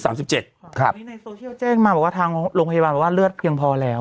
อันนี้ในโซเชียลแจ้งมาบอกว่าทางโรงพยาบาลบอกว่าเลือดเพียงพอแล้ว